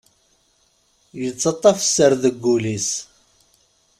Yettaṭṭaf sser deg wul-is.